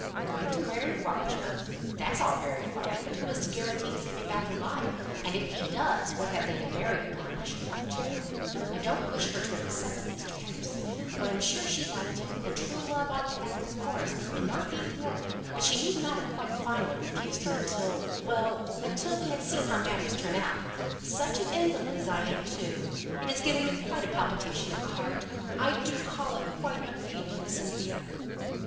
"Going to marry Roger! That's all very fine. But who is to guarantee his coming back alive? And if he does, what have they to marry upon, I should like to know? I don't wish her to have accepted Mr. Henderson, though I am sure she liked him; and true love ought to have its course, and not be thwarted; but she need not have quite finally refused him until well, until we had seen how matters turn out. Such an invalid as I am too! It has given me quite a palpitation at the heart. I do call it quite unfeeling of Cynthia."